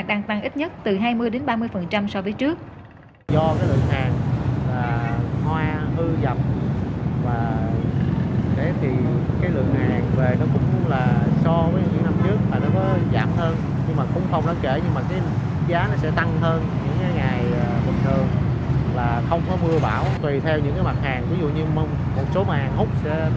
đang tăng ít nhất từ hai mươi ba mươi so với trước